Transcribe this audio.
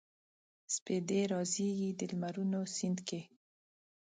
سپیدې رازیږي د لمرونو سیند کې